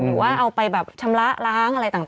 หรือว่าเอาไปแบบชำระล้างอะไรต่าง